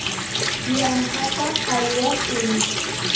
yanqapaq aywaykuu.